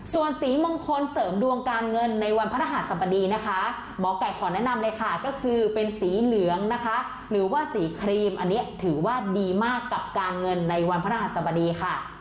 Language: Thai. ส่วนสีมงคลเสริมดวงการเงินในวันพระรหัสบดีนะคะหมอไก่ขอแนะนำเลยค่ะก็คือเป็นสีเหลืองนะคะหรือว่าสีครีมอันนี้ถือว่าดีมากกับการเงินในวันพระหัสบดีค่ะ